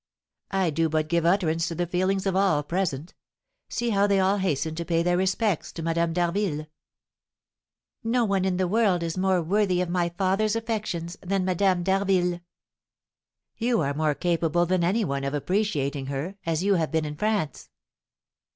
"I do but give utterance to the feelings of all present; see how they all hasten to pay their respects to Madame d'Harville!" "No one in the world is more worthy of my father's affections than Madame d'Harville." "You are more capable than any one of appreciating her, as you have been in France."